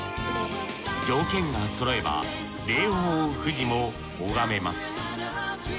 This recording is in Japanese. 条件がそろえば霊峰富士も拝めます